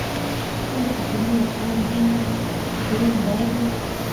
ایا تسلي ورکول دومره دروند بار دی؟